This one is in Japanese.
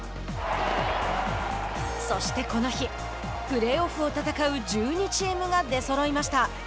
そして、この日プレーオフを戦う１２チームが出そろいました。